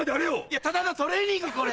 いやただのトレーニングこれ。